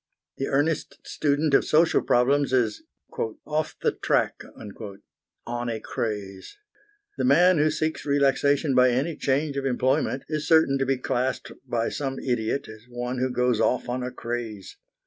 The earnest student of social problems is "off the track," on a craze. The man who seeks relaxation by any change of employment is certain to be classed by some idiot as one who goes off on a craze.